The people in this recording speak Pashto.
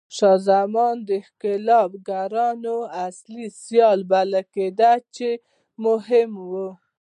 شاه زمان د ښکېلاګرانو اصلي سیال بلل کېده چې مهم و.